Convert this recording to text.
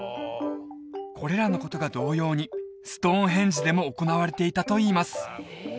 これらのことが同様にストーンヘンジでも行われていたといいます